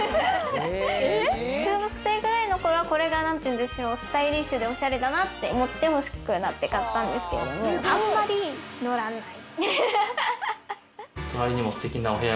中学生くらいの頃は、これがスタイリッシュでおしゃれだなと思って欲しくなって買ったんですけれど、あんまり乗らない。